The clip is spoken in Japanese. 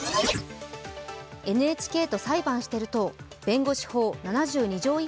ＮＨＫと裁判してる党弁護士法７２条